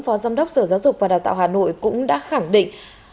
phó giám đốc sở giáo dục và đào tạo hà nội cũng đã khẳng định